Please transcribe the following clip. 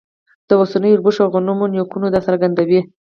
د اوسنیو اوربشو او غنمو نیکونه دا څرګندوي.